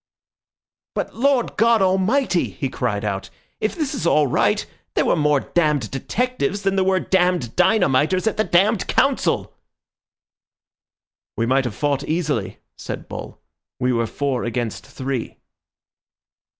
"But Lord God Almighty," he cried out, "if this is all right, there were more damned detectives than there were damned dynamiters at the damned Council!" "We might have fought easily," said Bull; "we were four against three."